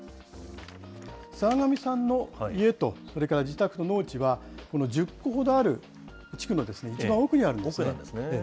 澤上さんの家と、それから自宅、農地は、この１０戸ほどある地区の一番奥にあるんですね。